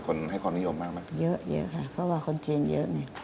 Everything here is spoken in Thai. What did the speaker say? คนให้ความนิยมมากมั้ยเยอะเยอะค่ะเพราะว่าคนจีนเยอะเนี่ย